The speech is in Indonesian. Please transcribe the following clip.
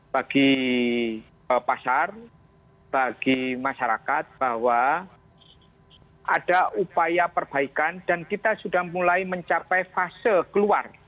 bagi pasar bagi masyarakat bahwa ada upaya perbaikan dan kita sudah mulai mencapai fase keluar